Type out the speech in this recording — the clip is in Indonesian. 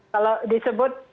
kalau disebut air situ